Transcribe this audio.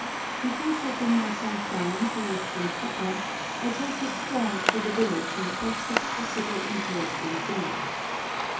Before settling myself down, for rest and supper, I take a stroll through the village in quest of possible interesting things.